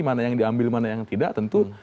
mana yang diambil mana yang tidak tentu